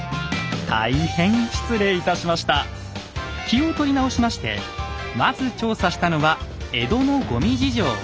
気を取り直しましてまず調査したのは江戸のごみ事情。